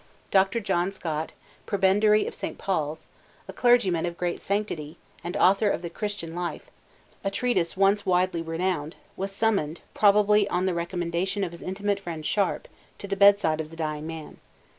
Doctor John Scott, prebendary of Saint Paul's, a clergyman of great sanctity, and author of the Christian Life, a treatise once widely renowned, was summoned, probably on the recommendation of his intimate friend Sharp, to the bedside of the dying man.